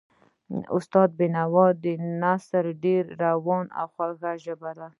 د استاد د بینوا نثر ډېر روان او خوږ دی.